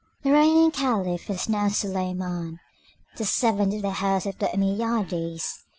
The reigning Caliph was now Suleiman, the seventh of the house of the Ommeyades.